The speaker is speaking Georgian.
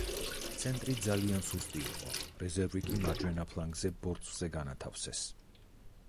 ცენტრი ძალიან სუსტი იყო, რეზერვი კი მარჯვენა ფლანგზე ბორცვზე განათავსეს.